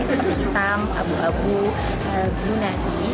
seperti hitam abu abu lunas